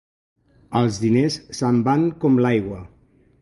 Els diners se'n van com l'aigua.